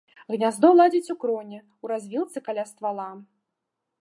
Гняздо ладзіць у кроне, у развілцы каля ствала.